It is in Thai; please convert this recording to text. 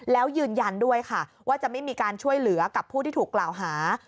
แล้วยืนยันด้วยค่ะว่าจะไม่มีการช่วยเหลือกับผู้ที่ถูกกล่าวหา